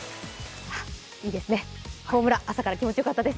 いいですね、ホームラン朝から気持ちよかったです。